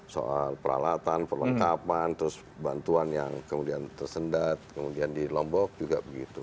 soal peralatan perlengkapan terus bantuan yang kemudian tersendat kemudian di lombok juga begitu